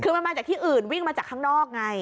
คือมันมาจากที่อื่นวิ่งมาจากข้างนอกไง